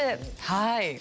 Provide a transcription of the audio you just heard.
はい。